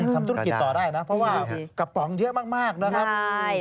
ทำธุรกิจต่อได้นะเพราะว่ากระป๋องเยอะมากนะครับ